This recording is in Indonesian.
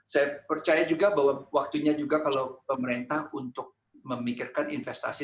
saya percaya juga bahwa waktunya juga kalau pemerintah untuk memikirkan investasi